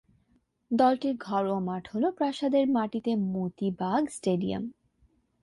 দলটির ঘরোয়া মাঠ হল প্রাসাদের মাটিতে মতি বাগ স্টেডিয়াম।